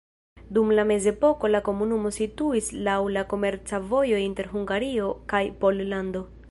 Dum la mezepoko la komunumo situis laŭ la komerca vojo inter Hungario kaj Pollando.